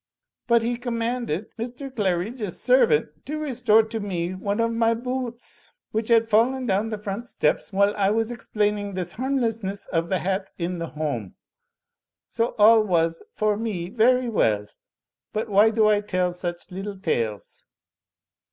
But he commanded Mr. Qaridge's servant to restore to me one of my boo oots, which had fallen down the front steps, whUe I was explaining this harm lessness of the hat in the home. So all was, for me, very well. But why do I tell such little tales?"